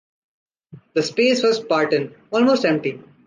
The space was spartan? Almost empty.